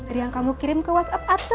dari yang kamu kirim ke whatsapp apa